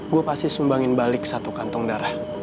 gue pasti sumbangin balik satu kantong darah